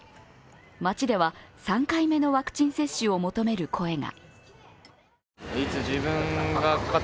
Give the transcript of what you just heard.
街では３回目のワクチン接種を求める声が。